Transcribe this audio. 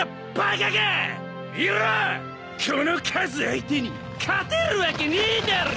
この数相手に勝てるわけねえだろ！